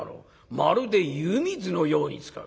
まるで湯水のように使う。